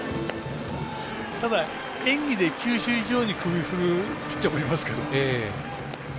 ただ、演技で球種以上に首を振るピッチャーいますけど。